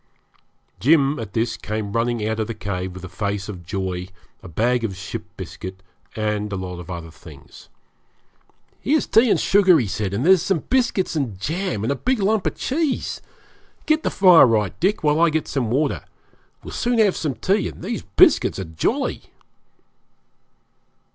Jim at this came running out of the cave with a face of joy, a bag of ship biscuit, and a lot of other things. 'Here's tea and sugar,' he said; 'and there's biscuits and jam, and a big lump of cheese. Get the fire right, Dick, while I get some water. We'll soon have some tea, and these biscuits are jolly.'